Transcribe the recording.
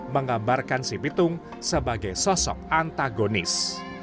menggambarkan si bitung sebagai sosok antagonis